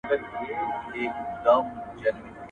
خداى دي يو لاس بل ته نه اړ باسي.